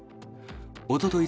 おととい